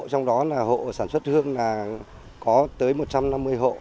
trong đó là hộ sản xuất hương là có tới một trăm năm mươi hộ